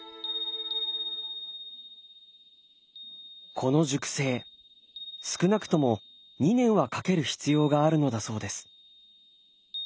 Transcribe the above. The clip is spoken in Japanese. この熟成少なくとも２年はかける必要があるのだそうです。